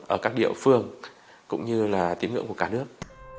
ở các địa phương cũng như tín ngưỡng của cả nước